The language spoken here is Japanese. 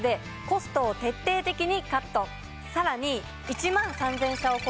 さらに。